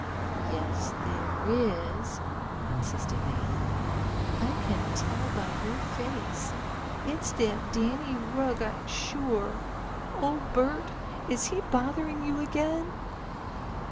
"Yes there is," insisted Nan. "I can tell by your face. It's that Danny Rugg; I'm sure. Oh, Bert, is he bothering you again?"